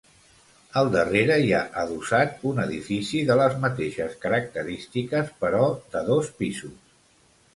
Al darrere hi ha adossat un edifici de les mateixes característiques però de dos pisos.